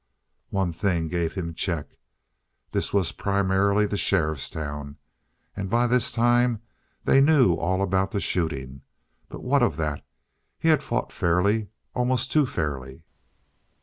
One thing gave him check. This was primarily the sheriff's town, and by this time they knew all about the shooting. But what of that? He had fought fairly, almost too fairly.